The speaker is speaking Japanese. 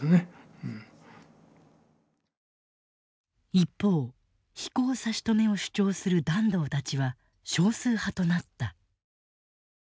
一方飛行差し止めを主張する團藤たちは少数派となった。